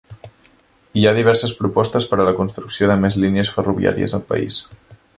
Hi ha diverses propostes per a la construcció de més línies ferroviàries al país.